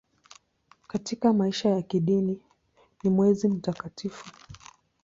Katika maisha ya kidini ni mwezi mtakatifu.